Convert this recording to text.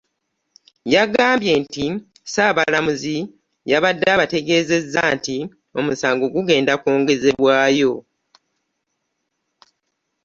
Yagambye nti Ssaabalamuzi yabadde abategeezezza nti omusango gugenda kwongezebwayo.